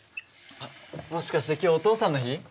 あっもしかして今日お父さんの日？